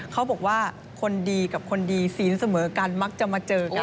เขาบอกว่าคนดีกับคนดีศีลเสมอกันมักจะมาเจอกัน